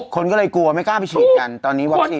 คนก็เลยกลัวไม่กล้าไปฉีดกันตอนนี้วัคซีน